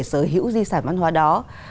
sở hữu di sản văn hóa đó